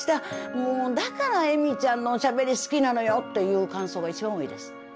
もうだから恵美ちゃんのおしゃべり好きなのよ」っていう感想が一番多いです。